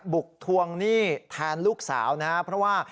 ปลุกทวงหนี้ธนาคต์ลูกสาวนะคะเพราะว่า